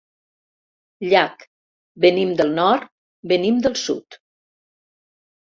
Llach: «Venim del nord, venim del sud».